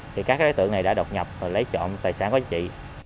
thì các đối tượng này đã đột nhập và lấy trộm tài sản của chị